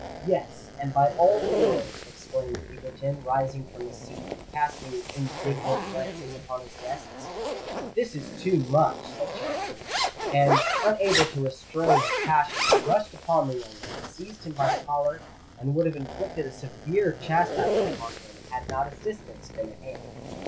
"Yes—and by all the world," exclaimed Egerton, rising from his seat, and casting indignant glances upon his guests. "This is too much!" said Cholmondeley; and, unable to restrain his passion, he rushed upon the young man, seized him by the collar, and would have inflicted a severe chastisement on him had not assistance been at hand.